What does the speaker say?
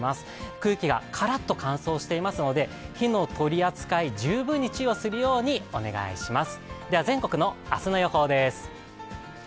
空気がカラッと乾燥していますので火の取り扱い、十分に注意をするようにお願いいたします。